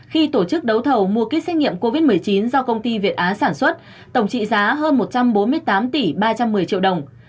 khi tổ chức đấu thầu mua kích xét nghiệm covid một mươi chín do công ty việt á sản xuất tổng trị giá hơn một trăm bốn mươi tám tỷ ba trăm một mươi triệu đồng